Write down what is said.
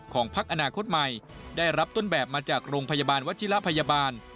พักอนาคตใหม่ได้รับต้นแบบมาจากโรงพยาบาลวัชิระพยาบาล